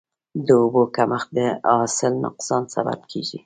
د اوبو کمښت د حاصل نقصان سبب کېږي.